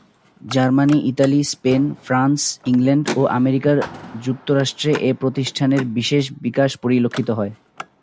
Germany, Italy, Spain, France, England ও আমেরিকার যুক্তরাষ্ট্রে এ প্রতিষ্ঠানের বিশেষ বিকাশ পরিলক্ষিত হয়।